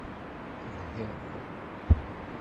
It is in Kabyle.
Telhiḍ.